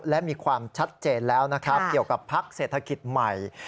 และมีความชัดเจนแล้วนะครับเกี่ยวกับพักเศรษฐกิจใหม่